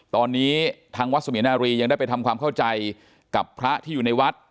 ตอนนี้ทางวัดเสมียนารียังได้ไปทำความเข้าใจกับพระที่อยู่ในวัด